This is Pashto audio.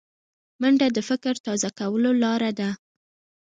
منډه د فکر تازه کولو لاره ده